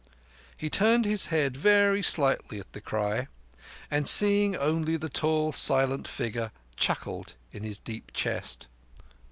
He turned his head very slightly at the cry; and seeing only the tall silent figure, chuckled in his deep chest.